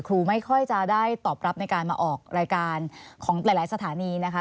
ไม่ค่อยจะได้ตอบรับในการมาออกรายการของหลายสถานีนะคะ